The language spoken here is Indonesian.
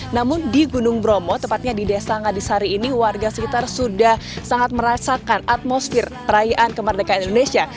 namun di gunung bromo tepatnya di desa ngadisari ini warga sekitar sudah sangat merasakan atmosfer perayaan kemerdekaan indonesia